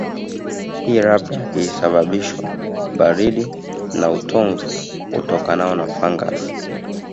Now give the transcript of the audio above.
Hii labda ilisababishwa baridi na na utomvu utokanao na fangasi